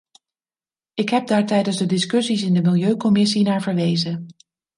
Ik heb daar tijdens de discussies in de milieucommissie naar verwezen.